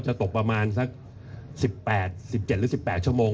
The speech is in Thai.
ตกประมาณสัก๑๘๑๗หรือ๑๘ชั่วโมง